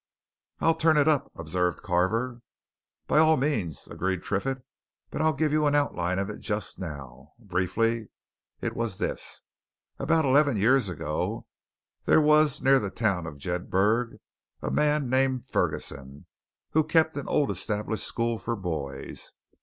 "I'll turn it up," observed Carver. "By all means," agreed Triffitt; "but I'll give you an outline of it just now. Briefly, it was this. About eleven years ago, there was near the town of Jedburgh a man named Ferguson, who kept an old established school for boys.